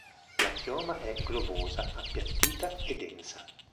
La chioma è globosa, appiattita e densa.